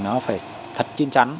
nó phải thật chinh chắn